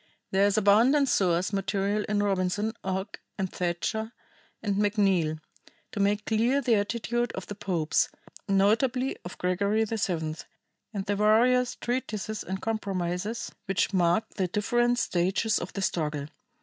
There is abundant source material in Robinson, Ogg, and Thatcher and McNeal to make clear the attitude of the popes, notably of Gregory VII and the various treaties and compromises which mark the different stages of the struggle.